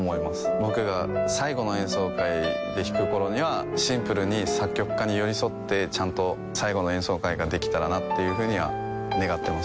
僕が最後の演奏会で弾くころにはシンプルに作曲家に寄り添ってちゃんと最後の演奏会ができたらなというふうには願っています